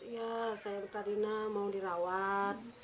ya saya betul betul mau dirawat